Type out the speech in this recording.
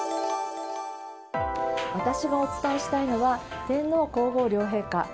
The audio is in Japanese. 私がお伝えしたいのは天皇・皇后両陛下